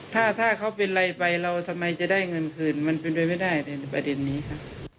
ถ้าเขาเป็นอะไรไปเราทำไมจะได้เงินคืนมันเป็นไปไม่ได้ในประเด็นนี้ค่ะ